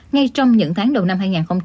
ngay trong những tháng đầu năm hai nghìn hai mươi